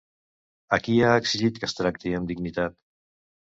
A qui ha exigit que es tracti amb dignitat?